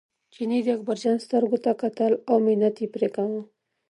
چیني د اکبرجان سترګو ته کتل او په پرې منت کاوه.